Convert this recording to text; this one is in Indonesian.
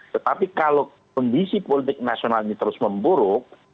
tetapi kalau kondisi politik nasional ini terus memburuk